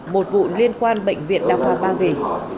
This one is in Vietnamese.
một vụ liên quan bệnh viện đa khoa ba vì